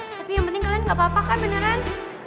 tapi yang penting kalian nggak apa apa kan beneran